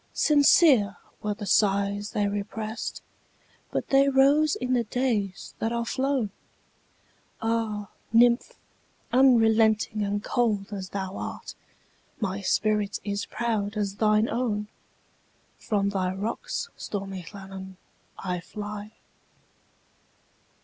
Sincere were the sighs they represt, But they rose in the days that are flown! Ah, nymph! unrelenting and cold as thou art, My spirit is proud as thine own! From thy rocks, stormy Llannon, I fly.